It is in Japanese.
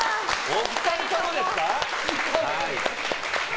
お二人共ですか。